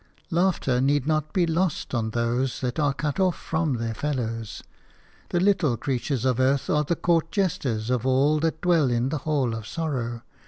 Laughter need not be lost to those that are cut off from their fellows. The little creatures of earth are the court jesters of all that dwell in the hall of sorrow.